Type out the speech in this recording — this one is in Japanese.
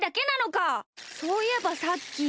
そういえばさっき。